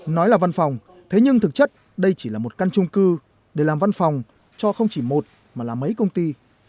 nói là văn phòng thế nhưng thực chất đây chỉ là một căn trung cư để làm văn phòng cho không chỉ một mà là mấy công ty